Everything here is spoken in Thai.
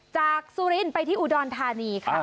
จากโซเรียนไปที่อุดอลธานี